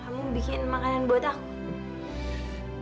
kamu bikin makanan buat aku